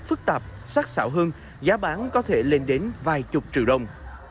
phức tạp sắc xạo hơn giá bán có thể lên đến vài chục triệu đồng